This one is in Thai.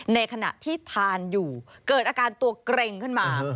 ในขณะที่ทานอยู่เกิดอาการตัวเกร็งขึ้นมา